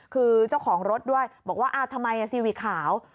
คือเจ้าของรถด้วยบอกว่าทำไมซีวิกขาว